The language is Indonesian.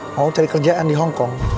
mau cari kerjaan di hongkong